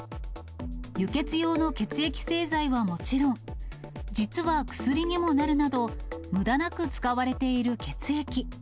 輸血用の血液製剤はもちろん、実は薬にもなるなど、むだなく使われている血液。